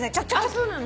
そうなの？